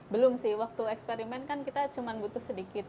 belum sih waktu eksperimen kan kita cuma butuh sedikit